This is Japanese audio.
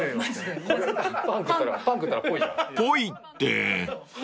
［っぽいって］